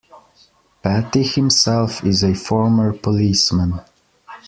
Patti himself is a former policeman.